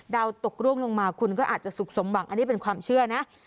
ดาวตกร่วงลงมาคุณก็อาจจะสุขสมหวังอันนี้เป็นความเชื่อนะ